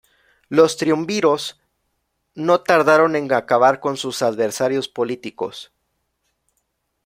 Los triunviros no tardaron en acabar con sus adversarios políticos.